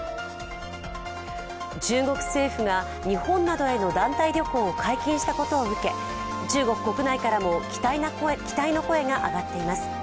中国政府が日本などへの団体旅行を解禁したことを受け中国国内からも期待の声が上がっています。